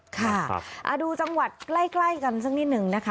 ค่ะดูจังหวัดใกล้กันสักนิดหนึ่งนะคะ